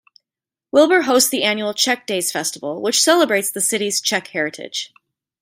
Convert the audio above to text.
Wilber hosts the annual Czech Days festival which celebrates the city's Czech heritage.